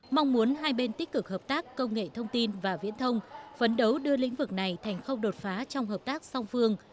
mong muốn hai bên tích cực hợp tác công nghệ thông tin và viễn thông phấn đấu đưa lĩnh vực này thành không đột phá trong hợp tác song phương